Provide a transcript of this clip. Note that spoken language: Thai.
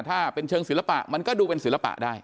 ถ้าเป็นเชิงศิลปะมันก็ดูเป็นศิลปะได้